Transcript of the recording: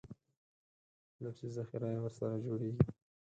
لفظي ذخیره یې ورسره جوړېږي.